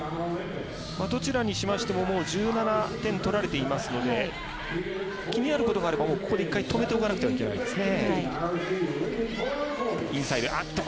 どちらにしましても１７点取られていますので気になることがあればここで一回止めておかなければいけないですね。